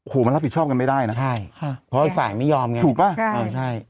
โหมันรับผิดชอบกันไม่ได้นะใช่ฮะเพราะฝ่ายไม่ยอมไงถูกป่ะใช่อ่าใช่